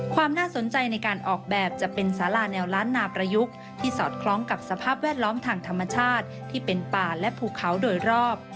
ความน่าสนใจในการออกแบบจะเป็นสาราแนวล้านนาประยุกต์ที่สอดคล้องกับสภาพแวดล้อมทางธรรมชาติที่เป็นป่าและภูเขาโดยรอบ